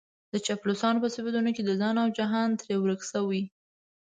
د چاپلوسانو په صفتونو کې ځان او جهان ترې ورک شوی.